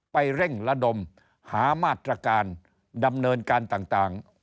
เร่งระดมหามาตรการดำเนินการต่าง